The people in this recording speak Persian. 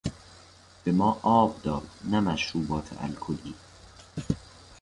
به ما آب داد نه مشروبات الکلی.